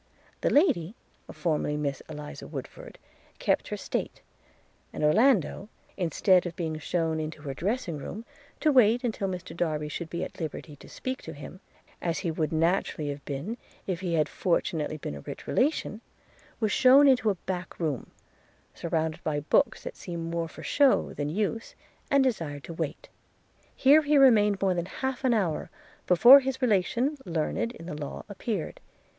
The lady, formerly Miss Eliza Woodford, 'kept her state;' and Orlando, instead of being shewn into her dressing room to wait till Mr Darby should be at liberty to speak to him, as he would naturally have been if he had fortunately been a rich relation, was shewn into a back room, surrounded by books that seemed more for shew than use, and desired to wait. Here he remained more than half an hour, before his relation learned in the law appeared.